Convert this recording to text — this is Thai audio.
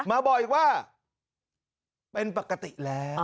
มาบอกอีกว่าเป็นปกติแล้ว